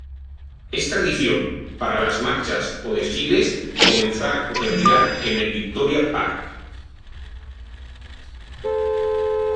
Es tradición para las marchas o desfiles comenzar o terminar en el "Victoria Park".